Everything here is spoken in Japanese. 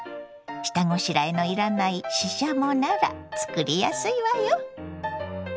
下ごしらえのいらないししゃもなら作りやすいわよ。